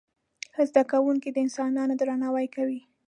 ښه زده کوونکي د انسانانو درناوی کوي.